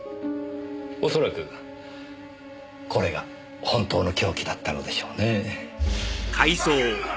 おそらくこれが本当の凶器だったのでしょうね。